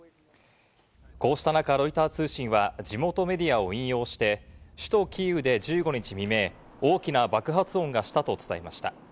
こうしたなかロイター通信は地元メディアを引用して、首都キーウで１５日未明、大きな爆発音がしたと伝えました。